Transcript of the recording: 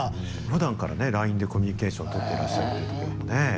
ふだんからねＬＩＮＥでコミュニケーションとってらっしゃるっていうところもね。